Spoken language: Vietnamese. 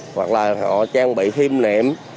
hoặc là họ trang bị thêm niệm